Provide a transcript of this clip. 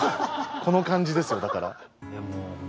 この感じですよだから。